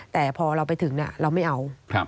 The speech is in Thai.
แต่พอเราไปถึงเราไม่เอา